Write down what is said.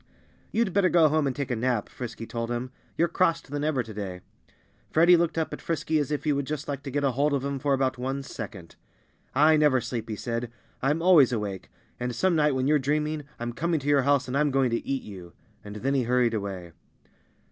"You'd better go home and take a nap," Frisky told him. "You're crosser than ever to day." Freddie looked up at Frisky as if he would just like to get hold of him for about one second. "I never sleep," he said. "I'm always awake. And some night when you're dreaming, I'm coming to your house and I'm going to eat you." And then he hurried away.